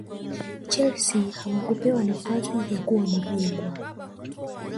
chelsea hawakupewa nafasi ya kuwa mabingwa